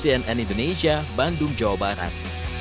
tim liputan cnn indonesia bandung jawa barat